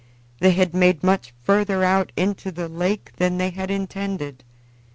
They had made much further out into the lake than they had intended.